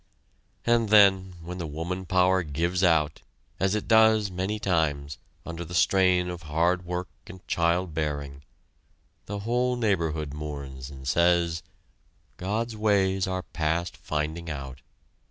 And then, when the woman power gives out, as it does many times, under the strain of hard work and childbearing, the whole neighborhood mourns and says: "God's ways are past finding out."